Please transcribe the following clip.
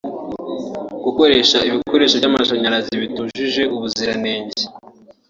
gukoresha ibikoresho by’amashanyarazi bitujuje ubuziranenge